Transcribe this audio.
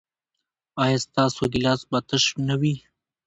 ایا ستاسو ګیلاس به تش نه وي؟